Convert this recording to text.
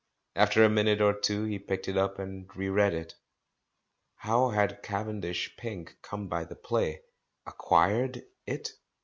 After a minute or two he picked it up and re read it. How had Cavendish Pink come by the play? "Acquired" it?